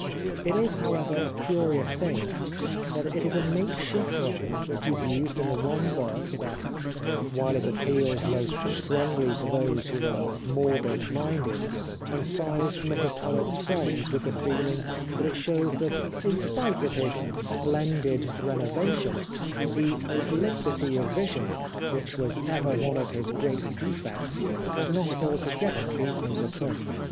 It is, however, a curious thing that it is a makeshift rhyme which is used in the one verse that, while it appeals most strongly to those who are morbid minded, inspires some of the poet's friends with the feeling that it shows that, in spite of his splendid renovation, the obliquity of vision which was ever one of his great defects had not altogether been overcome.